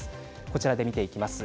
こちらで見ていきます。